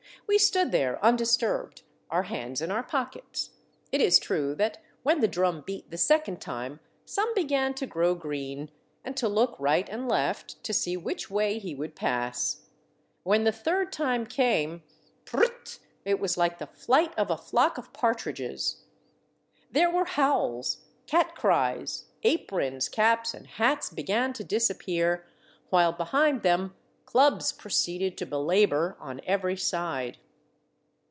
We stood there undisturbed, our hands in our pockets. It is true that when the drum beat the second time some began to grow green, and to look right and left, to see which way he would pass. When the third time came,/ r r /! It was like the flight of a flock of partridges. There were howls, cat cries; aprons, caps, and hats be gan to disappear, while behind them clubs pro ceeded to belabor on every side.